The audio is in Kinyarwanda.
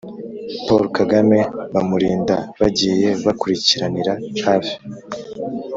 Paul Kagame bamurinda bagiye bakurikiranira hafi